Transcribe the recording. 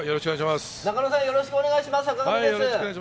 中野さん、よろしくお願いします、坂上です。